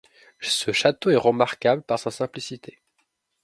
Ce château est remarquable par sa simplicité.